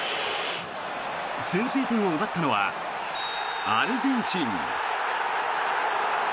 先制点を奪ったのはアルゼンチン。